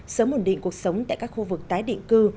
sớm ổn định cuộc sống tại các khu vực tái định cư